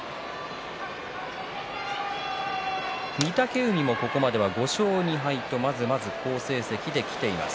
御嶽海もここまで５勝２敗とまずまずの好成績できています。